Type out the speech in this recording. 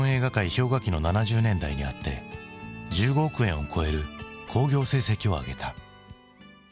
氷河期の７０年代にあって１５億円を超える興行成績を挙げた。